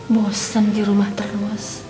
bosen jalan bosen di rumah terus